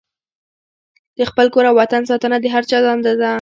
د خپل کور او وطن ساتنه د هر چا دنده ده.